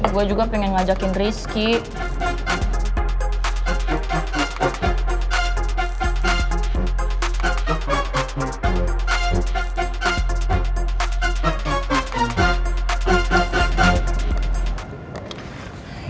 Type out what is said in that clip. gue juga pengen ngajakin rizky